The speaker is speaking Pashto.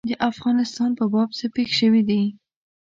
د افغانستان په باب څه پېښ شوي دي.